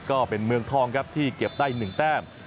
ก็เป็นเมืองทองครับที่เก็บได้๑แต้ม